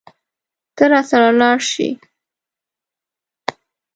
ته راسره لاړ شې.